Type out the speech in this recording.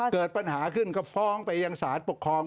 เกิดปัญหาขึ้นก็ฟ้องไปยังสารปกครอง